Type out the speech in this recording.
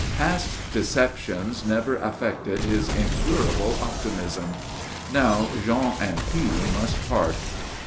Past deceptions never affected his incurable optimism. Now Jean and he must part.